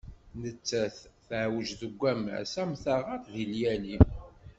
Nettat teɛweǧ deg ammas am taɣaṭ deg llyali.